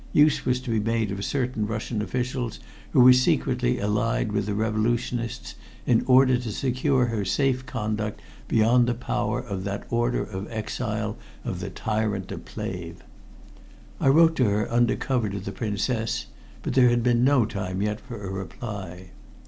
Use was to be made of certain Russian officials who were secretly allied with the Revolutionists in order to secure her safe conduct beyond the power of that order of exile of the tyrant de Plehve. I wrote to her under cover to the Princess, but there had been no time yet for a reply.